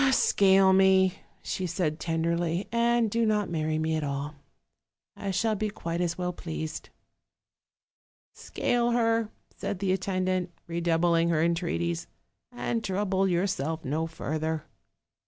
" 'Scale me,' said she tenderly, 'and do not marry me at all. I shall be quite as well pleased.' " 'Scale her,' said the attendant, redoubling her en treaties, 'and trouble yourself no further.'